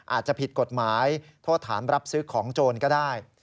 อาจจะผิดกฎหมายโทษฐานรับซื้อของโจรก็ได้